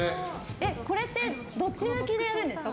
これってどっち向きでやるんですか？